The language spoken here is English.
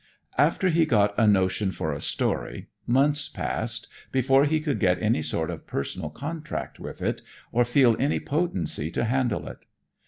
After he got a notion for a story, months passed before he could get any sort of personal contract with it, or feel any potency to handle it.